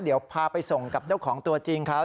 เดี๋ยวพาไปส่งกับเจ้าของตัวจริงเขา